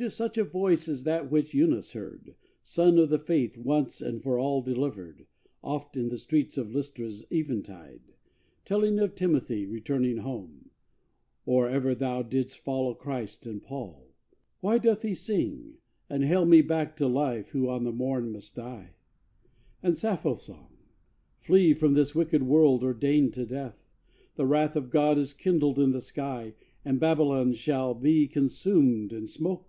'Tis such a voice as that which Eunice heard Son of the Faith once and for all delivered Oft in the streets of Lystra's eventide, Telling of Timothy returning home, Or ever thou didst follow Christ and Paul. Why doth he sing, and hale me back to life Who on the morn must die? And Sappho's song! Flee from this wicked world ordained to death! The wrath of God is kindled in the sky, And Babylon shall be consumed in smoke!